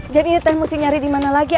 jadi teh mesti nyari di mana lagi